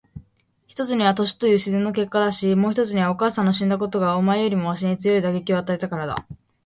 一つには年という自然の結果だし、もう一つにはお母さんの死んだことがお前よりもわしに強い打撃を与えたからだ。